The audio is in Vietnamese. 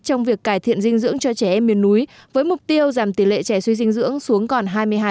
trong việc cải thiện dinh dưỡng cho trẻ em miền núi với mục tiêu giảm tỷ lệ trẻ suy dinh dưỡng xuống còn hai mươi hai